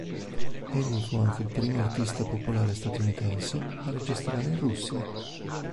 Egli fu anche il primo artista popolare statunitense a registrare in Russia.